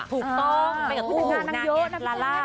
ถูกต้องไปกับผู้ชมหน้านางเยอะนางแอบลาล่า